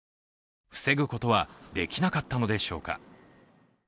防ぐことはできなかったのでしょうか。